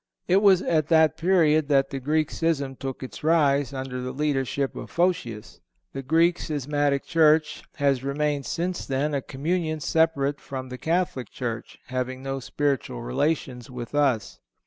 It was at that period that the Greek schism took its rise, under the leadership of Photius. The Greek schismatic church has remained since then a communion separate from the Catholic Church, having no spiritual relations with us.